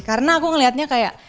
karena aku ngeliatnya kayak